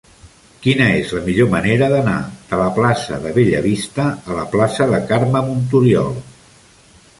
Quina és la millor manera d'anar de la plaça de Bellavista a la plaça de Carme Montoriol?